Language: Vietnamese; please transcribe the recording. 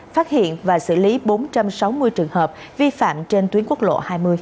phát hiện và xử lý bốn trăm sáu mươi trường hợp vi phạm trên tuyến quốc lộ hai mươi